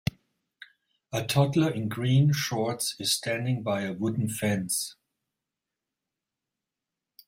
A toddler in green shorts is standing by a wooden fence.